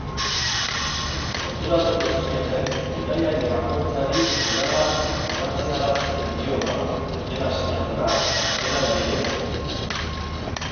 Konturatuko zineten bidaiari bakoitzari idatzarazten diodala, dela sinadura, dela helbidea.